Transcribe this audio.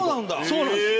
そうなんですよ。